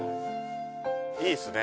いいっすね。